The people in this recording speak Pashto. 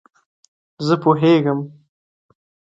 زه پوهیږم